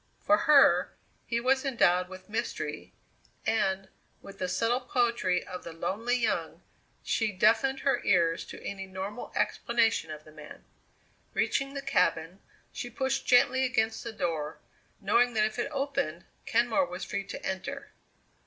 For her, he was endowed with mystery, and, with the subtle poetry of the lonely young, she deafened her ears to any normal explanation of the man. Reaching the cabin, she pushed gently against the door, knowing that if it opened, Kenmore was free to enter.